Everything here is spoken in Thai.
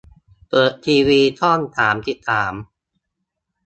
เปิดทีวีช่องสามสิบสาม